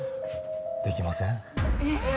できませんええ